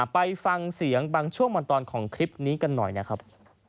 ไปฟังเสียงบางช่วงบางตอนของคลิปนี้กันหน่อยนะครับ